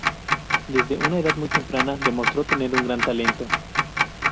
Desde una edad muy temprana demostró tener un gran talento.